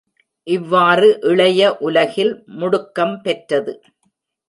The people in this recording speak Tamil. இவ்வாறு இளைய உலகில் முடுக்கம் பெற்றது.